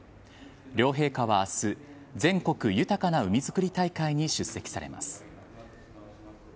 両陛下は明日全国豊かな海づくり大会に出席されます。